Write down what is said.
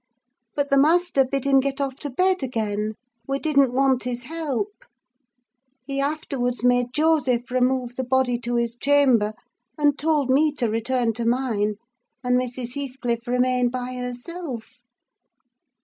But the master bid him get off to bed again: we didn't want his help. He afterwards made Joseph remove the body to his chamber, and told me to return to mine, and Mrs. Heathcliff remained by herself.